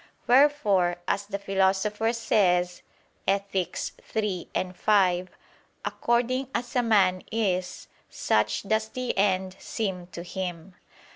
Wherefore as the Philosopher says (Ethic. iii, 5): "According as a man is, such does the end seem to him."